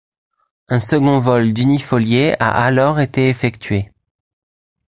Un second vol d’unifoliés a alors été effectuée.